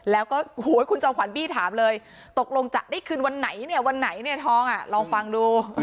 แล้วก็คุณจอมขวัญบี้ถามเลยตกลงจะได้คืนวันไหนเนี่ยวันไหนเนี่ยทองอ่ะลองฟังดู